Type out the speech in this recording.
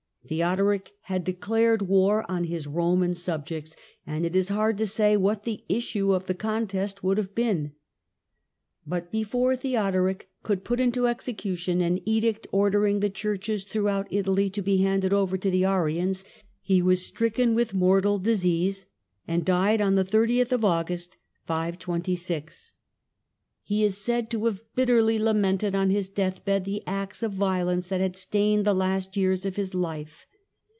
Theodoric had declared war on his Roman subjects, and it is hard to say what the issue of the contest would have been. But before Theodoric could put into execu tion an edict ordering the churches throughout Italy to be handed over to the Arians, he was stricken with mortal disease, and died on 30th August, 526. He is said to have bitterly lamented on his death bed the acts of violence that had stained the last years of his life.